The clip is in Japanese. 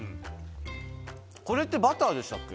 これってバターでしたっけ？